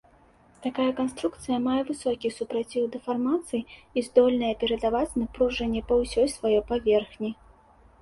Такая канструкцыя мае высокі супраціў дэфармацыі і здольная перадаваць напружанне па ўсёй сваёй паверхні.